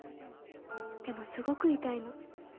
でもすごく痛いの。